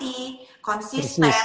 rendah hati konsisten